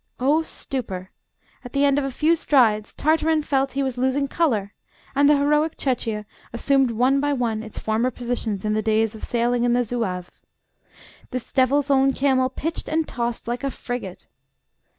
Oh, stupor! At the end of a few strides Tartarin felt he was losing colour, and the heroic chechia assumed one by one its former positions in the days of sailing in the Zouave. This devil's own camel pitched and tossed like a frigate.